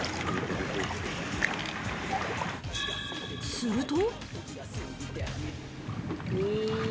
すると。